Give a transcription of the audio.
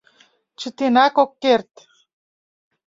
Чытенак ок керт!